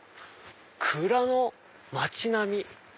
「蔵の町並み」。